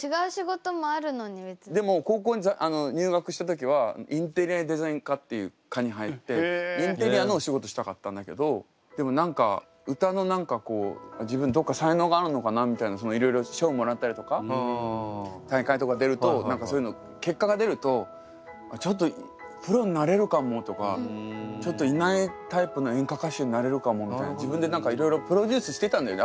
でもでも高校に入学した時はインテリアデザイン科っていう科に入ってインテリアのお仕事したかったんだけどでも何か歌の何かこう自分どっか才能があるのかなみたいないろいろ賞をもらったりとか大会とか出ると何かそういうの結果が出るとちょっとプロになれるかもとかちょっといないタイプの演歌歌手になれるかもみたいな自分で何かいろいろプロデュースしてたんだよね